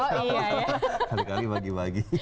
oh iya ya kali kali bagi bagi